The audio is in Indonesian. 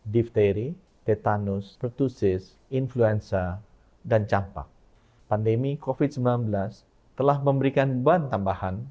dipteri tetanus protosis influenza dan campak pandemi covid sembilan belas telah memberikan buah tambahan